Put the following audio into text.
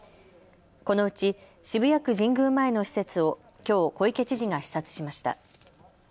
このうち渋谷区神宮前の施設をきょう、小池知事が視察しました。